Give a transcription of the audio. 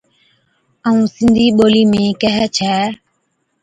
ائُون سِنڌِي ٻولِي ۾ ڪيھي ڇَي